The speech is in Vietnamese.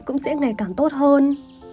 cũng sẽ ngày càng tốt hơn